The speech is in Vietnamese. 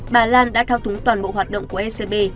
bà lan đã thao túng toàn bộ hoạt động của ecb